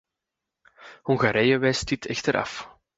Hongarije wijst dit echter af.